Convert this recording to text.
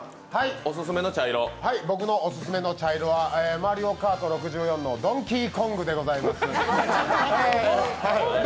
僕のオススメの茶色は「マリカオート６４」のドンキーコングでございます。